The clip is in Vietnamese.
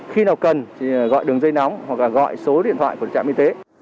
khi nào cần gọi đường dây nóng hoặc gọi số điện thoại của trạm y tế